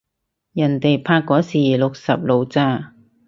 人哋拍嗰時六十路咋